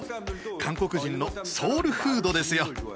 韓国人のソウルフードですよ。